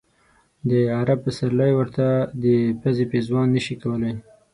د عرب پسرلی ورته د پزې پېزوان نه شي کولای.